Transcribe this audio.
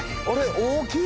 大きい！